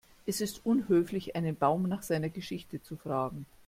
Es ist unhöflich, einen Baum nach seiner Geschichte zu fragen.